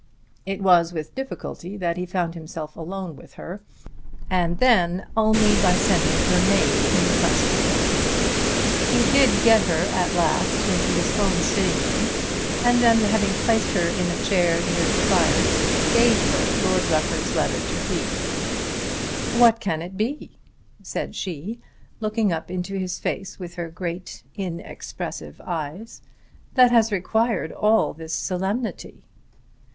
It was with difficulty that he found himself alone with her, and then only by sending her maid in quest of her. He did get her at last into his own sitting room and then, having placed her in a chair near the fire, gave her Lord Rufford's letter to read. "What can it be," said she looking up into his face with her great inexpressive eyes, "that has required all this solemnity?"